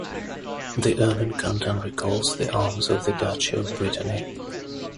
The ermine canton recalls the arms of the Duchy of Brittany.